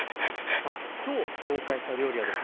さあ今日紹介した料理はですね